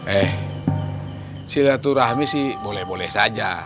eh silaturahmi sih boleh boleh saja